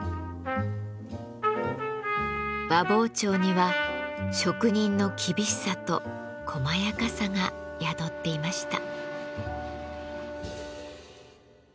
和包丁には職人の厳しさと細やかさが宿っていました。